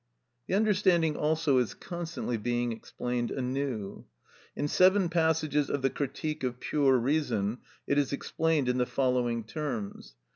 The understanding also is constantly being explained anew. In seven passages of the "Critique of Pure Reason" it is explained in the following terms.